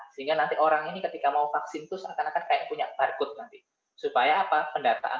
sehingga nanti orang ini ketika mau vaksin tus akan akan kayak punya barcode supaya pendataan